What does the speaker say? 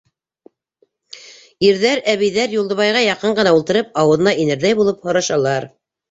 Ирҙәр, әбейҙәр, Юлдыбайға яҡын ғына ултырып, ауыҙына инерҙәй булып һорашалар.